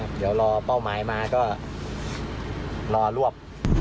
เดี๋ยวรอเป้าหมายมาก็รอรวบ